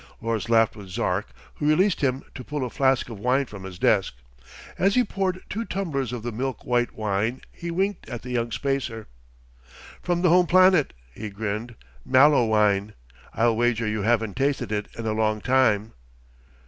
Lors laughed with Zark, who released him to pull a flask of wine from his desk. As he poured two tumblers of the milk white wine, he winked at the young spacer. "From the home planet," he grinned. "Mallowine. I'll wager you haven't tasted it in a long time."